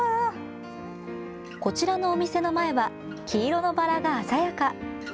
こちらのお店の前は黄色のバラが鮮やか。